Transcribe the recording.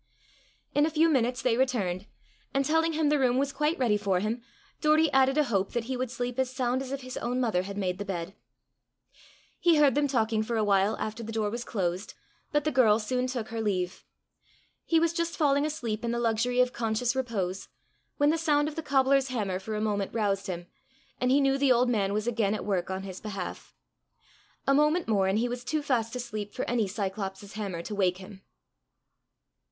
In a few minutes they returned, and telling him the room was quite ready for him, Doory added a hope that he would sleep as sound as if his own mother had made the bed. He heard them talking for a while after the door was closed, but the girl soon took her leave. He was just falling asleep in the luxury of conscious repose, when the sound of the cobbler's hammer for a moment roused him, and he knew the old man was again at work on his behalf. A moment more and he was too fast asleep for any Cyclops' hammer to wake him.